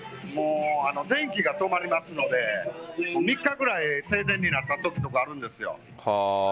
電気が止まりますので３日くらい停電になったときとかあるんです。